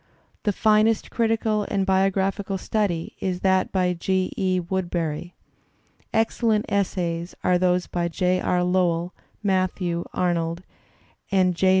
The finest critical and biographical study is that by G. E. Woodberry. Excellent essays are those by J. R. Lowell, Matthew Arnold, and J.